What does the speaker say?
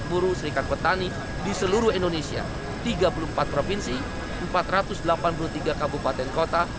buruh serikat petani di seluruh indonesia tiga puluh empat provinsi empat ratus delapan puluh tiga kabupaten kota